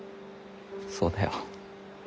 そうだよ。